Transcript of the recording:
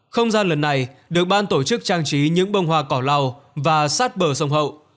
không gian lần này được ban tổ chức trang trí những bông hoa cỏ lào và sát bờ sông hậu